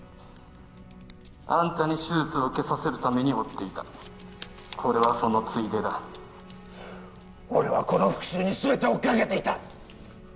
アンタに手術を受けさせるために追っていたこれはそのついでだ俺はこの復讐に全てをかけていた！